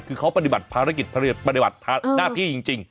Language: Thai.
คือเขาปฏิบัติภารกิจปฏิบัติหน้าที่จริง